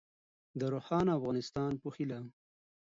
د روښانه افغانستان په هیله.